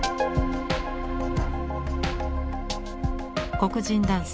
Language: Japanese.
黒人男性